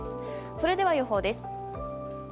それでは予報です。